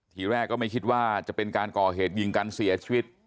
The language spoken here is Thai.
ทีแรกก็ไม่คิดว่าจะเป็นการก่อเหตุยิงกันเสียชีวิต